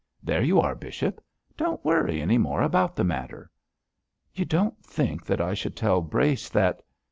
There you are, bishop! Don't worry any more about the matter.' 'You don't think that I should tell Brace that